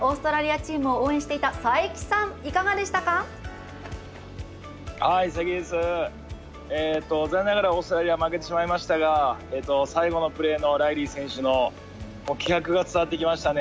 オーストラリアチームを応援していた、佐伯さん残念ながらオーストラリア負けてしまいましたが最後のプレーのライリー選手の気迫が伝わってきましたね。